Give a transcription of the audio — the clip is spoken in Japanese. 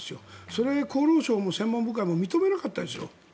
それを厚労省も専門家部会も認めなかったんですよ。